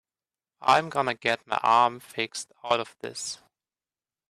I'm gonna get my arm fixed out of this.